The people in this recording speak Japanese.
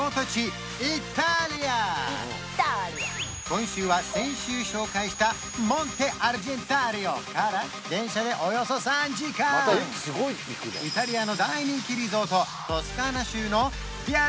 今週は先週紹介したモンテ・アルジェンターリオから電車でおよそ３時間イタリアの大人気リゾートトスカーナ州のヴィア